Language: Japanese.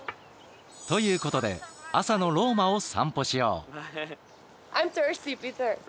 ということで朝のローマを散歩しよう。